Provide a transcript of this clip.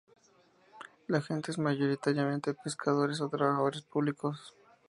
La gente es mayoritariamente pescadores o trabajadores públicos.